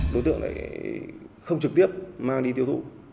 đối tượng lại không trực tiếp mang đi tiêu thụ